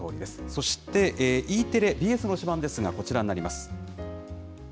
そしてＥテレ、ＢＳの推しバンですが、こちらになります。